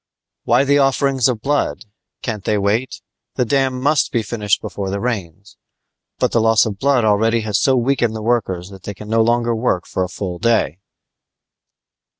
"Why the offerings of blood? Can't they wait? The dam must be finished before the rains; but the loss of blood already has so weakened the workers that they can no longer work for a full day."